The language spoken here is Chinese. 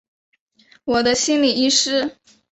我的心理医师